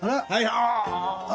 ああ！